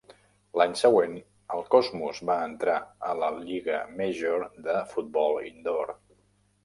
L'any següent, el Cosmos va entrar a la Lliga Major de Futbol Indoor.